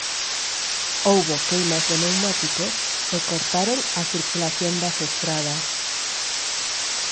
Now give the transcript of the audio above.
Houbo queimas de pneumáticos e cortaron a circulación das estradas.